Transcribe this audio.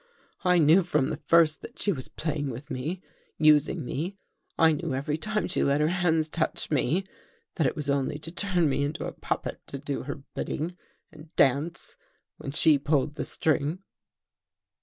I knew from the first that she was playing with me «— using me. I knew every time she let her hands touch me, that it was only to turn me into a puppet to do her bidding and dance when she pulled the string."